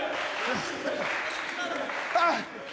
あっ。